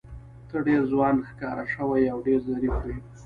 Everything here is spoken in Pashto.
ته ډېر ځوان ښکاره شوې او ډېر ظریف وې.